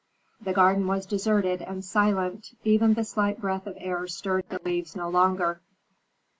The garden was deserted and silent, even the slight breath of air stirred the leaves no longer.